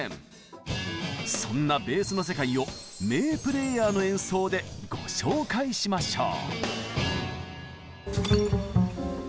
そんなベースの世界を名プレイヤーの演奏でご紹介しましょう。